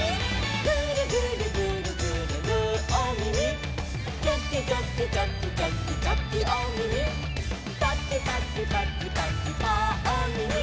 「グルグルグルグルグーおみみ」「チョキチョキチョキチョキチョキおみみ」「パチパチパチパチパーおみみ」